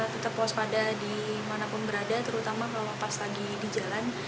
tetap waspada dimanapun berada terutama kalau pas lagi di jalan